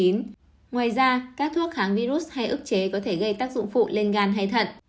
ngoài ra các thuốc kháng virus hay ức chế có thể gây tác dụng phụ lên gan hay thận